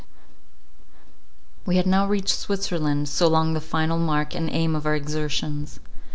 We had now reached Switzerland, so long the final mark and aim of our exertions.